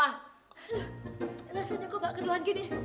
alasannya kok gak keluhan gini